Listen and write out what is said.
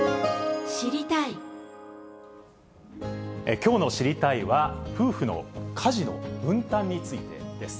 きょうの知りたいッ！は、夫婦の家事の分担についてです。